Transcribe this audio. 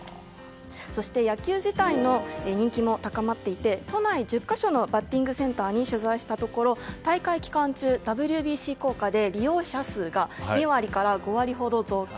そして、野球自体の人気も高まっていて都内１０か所のバッティングセンターに取材したところ大会期間中、ＷＢＣ効果で利用者数が２割から５割ほど増加。